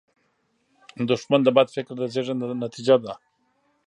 دښمن د بد فکر د زیږنده نتیجه ده